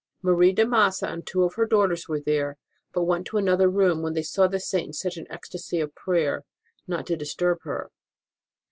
Marie de Massa and two of her daughters were there, but went into another room when they saw the Saint in such an ecstasy of prayer, not to dis turb her.